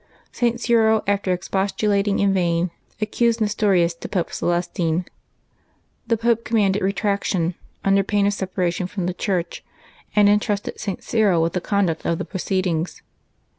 St. Cyril, after expostulating in vain, accused Nestorius to Pope Celestine. The Pope commanded re traction, under pain of separation from the Church, and intrusted St. Cyril with llie conduct of the proceedings.